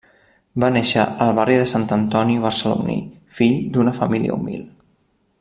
Va néixer al barri de Sant Antoni barceloní, fill d'una família humil.